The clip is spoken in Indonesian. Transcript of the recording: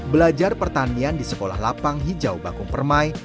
belajar pertanian di sekolah lapang hijau bakung permai